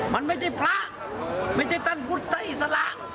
มันไม่ใช่พระไม่ใช่ท่านพุทธอิสระ